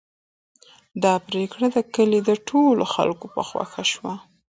دا پرېکړه د کلي د ټولو خلکو په خوښه شوه.